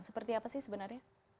seperti apa sih sebenarnya